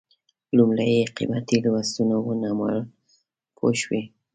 لومړی یې قیمتي لوستونه ونومول پوه شوې!.